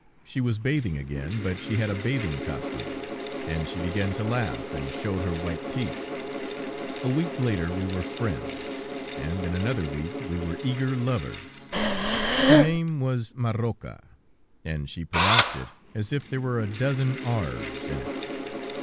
She was bathing again, but she had a bathing costume, and she began to laugh, and showed her white teeth. A week later we were friends, and in another week we were eager lovers. Her name was Marroca, and she pronounced it as if there were a dozen r's in it.